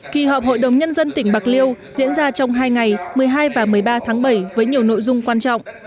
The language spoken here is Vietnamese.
kỳ họp hội đồng nhân dân tỉnh bạc liêu diễn ra trong hai ngày một mươi hai và một mươi ba tháng bảy với nhiều nội dung quan trọng